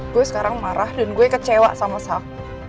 gue sekarang marah dan gue kecewa sama saf